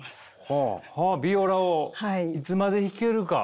はあヴィオラをいつまで弾けるか。